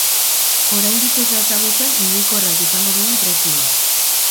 Oraindik ez da ezagutzen mugikorrak izango duen prezioa.